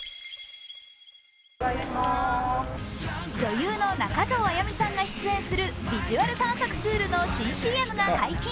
女優の中条あやみさんが出演するビジュアル探索ツールの新ＣＭが解禁。